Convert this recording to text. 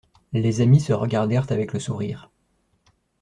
Les amis se regardèrent avec le sourire.